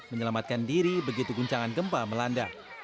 menyelamatkan diri begitu guncangan gempa melanda